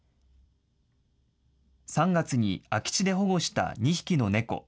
３月に空き地で保護した２匹の猫。